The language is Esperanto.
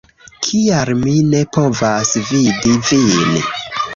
Kial mi ne povas vidi vin?